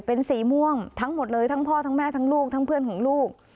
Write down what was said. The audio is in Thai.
เป็นสีม่วงทั้งหมดเลยทั้งพ่อทั้งแม่ทั้งลูกทั้งเพื่อนของลูก